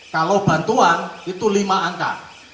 kalau bantuan itu lima angka